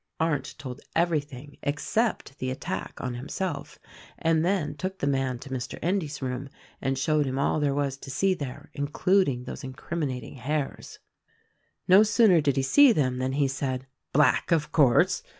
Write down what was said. Arndt told everything except the attack on himself and then took the man to Mr. Endy's room and showed him all there was to see there — including those incriminating hairs. No sooner did he see them than he said, "Black, of course!